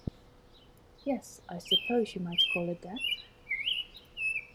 Yes, I suppose you might call it that.